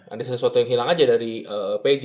ada sesuatu yang hilang aja dari p i j